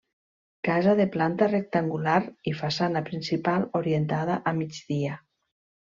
Casa de planta rectangular, i façana principal orientada a migdia.